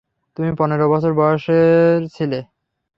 তুমি পনেরো বছর বয়সের ছিলে?